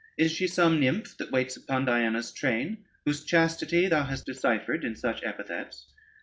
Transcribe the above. Is she some nymph that waits upon Diana's train, whose chastity thou hast deciphered in such epithets?